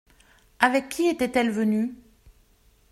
Avec qui était-elle venu ?